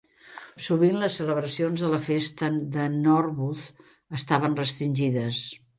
Sovint les celebracions de la festa de Norwuz estaven restringides.